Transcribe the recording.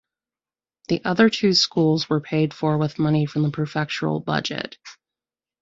The other two schools were paid for with money from the prefectural budget.